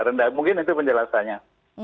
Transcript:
rendah mungkin itu penjelasannya